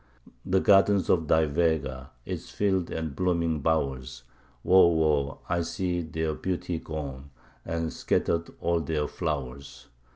The gardens of thy Vega, its fields and blooming bowers Woe, woe! I see their beauty gone, and scattered all their flowers!